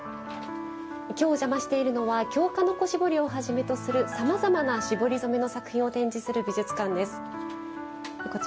今日、お邪魔しているのは京鹿の子絞りをはじめとするさまざまな絞り染めの作品を展示する美術館です。